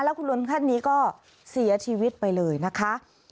คุณลุงท่านนี้ก็เสียชีวิตไปเลยนะคะ